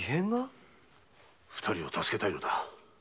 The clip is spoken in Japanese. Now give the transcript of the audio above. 二人を助けたいのだ。